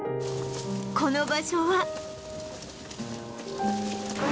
この場所は